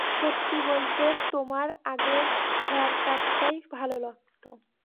সত্যি বলতে, তোমার আগের হেয়ারকাটটাই ভালো লাগত।